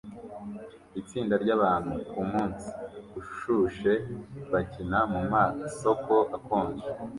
Itsinda ryabantu kumunsi ushushe bakina mumasoko akonje